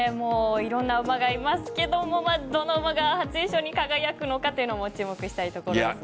いろんな馬がいますけどどの馬が初優勝に輝くのかも注目したいと思います。